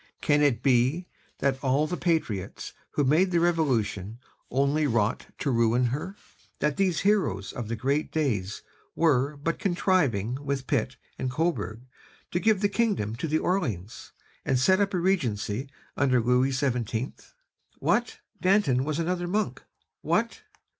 Can it be that all the patriots who made the Revolution only wrought to ruin her? that these heroes of the great days were but contriving with Pitt and Coburg to give the kingdom to the Orleans and set up a Regency under Louis XVII? What! Danton was another Monk. What!